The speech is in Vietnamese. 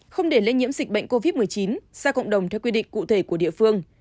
không để lây nhiễm dịch bệnh covid một mươi chín ra cộng đồng theo quy định cụ thể của địa phương